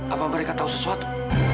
apa mereka tahu sesuatu